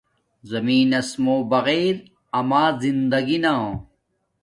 زمین نس مُو بغیر اما زندگی نا